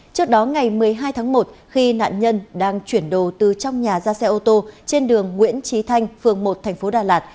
trước đó ngày một mươi hai tháng một khi nạn nhân đang chuyển đồ từ trong nhà ra xe ô tô trên đường nguyễn trí thanh phường một thành phố đà lạt